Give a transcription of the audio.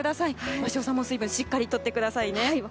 鷲尾さんも水分をしっかりとってくださいね。